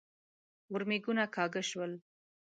ورمېږونه کاږه شول.